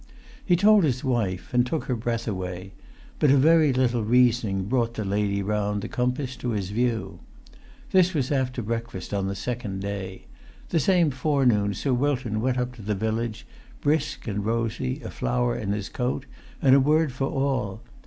He told his wife and took her breath away; but a very little reasoning brought the lady round the compass to his view. This was after breakfast on[Pg 342] the second day. The same forenoon Sir Wilton went up the village, brisk and rosy, a flower in his coat, and a word for all.